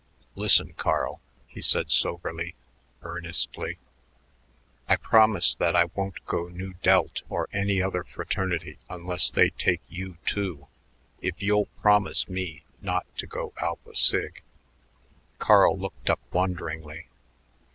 "Listen, Carl," he said soberly, earnestly, "I promise that I won't go Nu Delt or any other fraternity unless they take you, too, if you'll promise me not to go Alpha Sig." Carl looked up wonderingly.